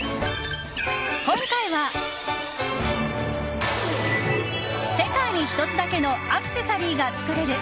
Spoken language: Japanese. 今回は、世界に１つだけのアクセサリーが作れる！